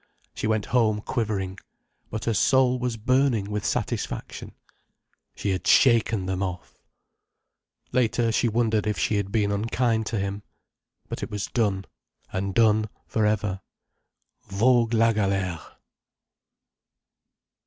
She went home quivering. But her soul was burning with satisfaction. She had shaken them off. Later she wondered if she had been unkind to him. But it was done—and done for ever. _Vogue la galère.